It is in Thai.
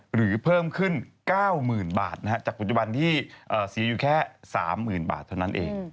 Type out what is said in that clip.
หรือเพิ่มขึ้น๙๐๐๐บาทจากปัจจุบันที่เสียอยู่แค่๓๐๐๐บาทเท่านั้นเอง